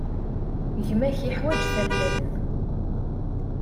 Gma-k yeḥwaj tallalt.